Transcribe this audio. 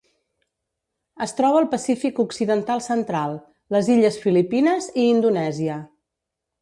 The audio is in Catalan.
Es troba al Pacífic occidental central: les illes Filipines i Indonèsia.